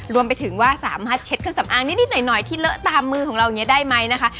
รวมไปถึงว่าสามารถเช็ดเครื่องสำอางนิดหน่อยที่เลอะตามมือของเราอย่างนี้ได้ไหมนะคะ